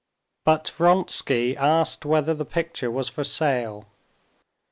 But Vronsky asked whether the picture was for sale.